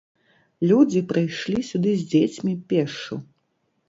Людзі прыйшлі сюды з дзецьмі пешшу.